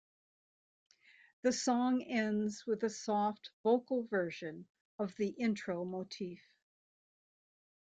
The song ends with a soft vocal version of the intro motif.